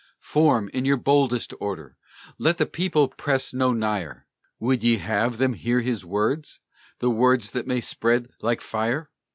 Form, in your boldest order, Let the people press no nigher! Would ye have them hear to his words The words that may spread like fire?